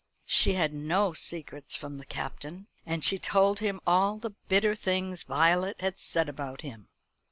She had no secrets from the Captain, and she told him all the bitter things Violet had said about him.